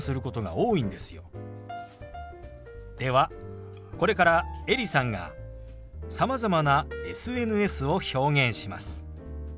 ではこれからエリさんがさまざまなＳＮＳを表現します。